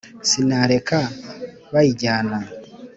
Sinareka bayijyana.